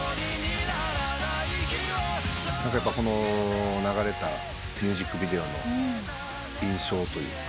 この流れたミュージックビデオの印象というか。